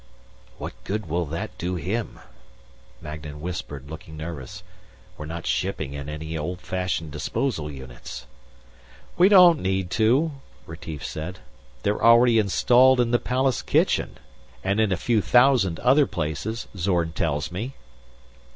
"What good will that do him?" Magnan whispered, looking nervous. "We're not shipping in any old fashioned disposal units." "We don't need to," Retief said. "They're already installed in the palace kitchen and in a few thousand other places, Zorn tells me."